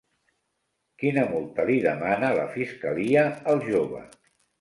Quina multa li demana la fiscalia al jove?